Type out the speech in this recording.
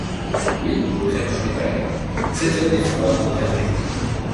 Oui, répondait Malaga, cet homme est froid comme verglas...